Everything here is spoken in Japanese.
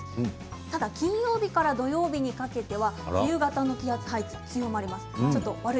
ただ金曜日から土曜日にかけては冬型の気圧配置強まります。